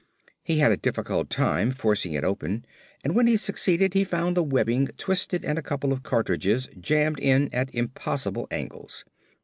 He had a difficult time forcing it open and when he succeeded he found the webbing twisted and a couple of cartridges jammed in at impossible angles.